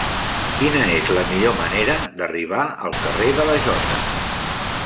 Quina és la millor manera d'arribar al carrer de la Jota?